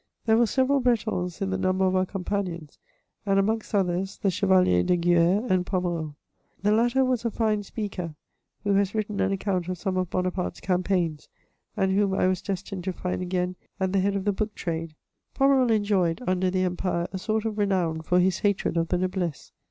There were several Bretons in the number of our com panions, and, amongst others, the Chevalier de Guer and Pommereul. The latter was a fine speaker, who has written an account of some of Bonaparte's campaigns, and whbm I was destined to find again at the head of the book trade. Pommereul enjoyed, under the Empire, a sort of renown for his hatred of the noblesse.